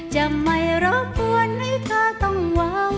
จะไม่รบกวนให้เธอต้องวาง